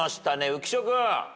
浮所君。